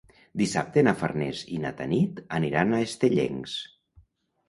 Dissabte na Farners i na Tanit aniran a Estellencs.